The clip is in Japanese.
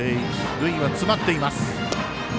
塁は詰まっています。